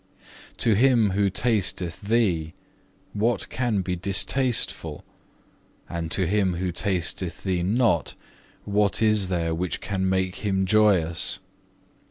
2. To him who tasteth Thee, what can be distasteful? And to him who tasteth Thee not, what is there which can make him joyous?